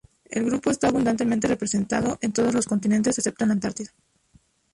El grupo está abundantemente representado en todos los continentes, excepto en la Antártida.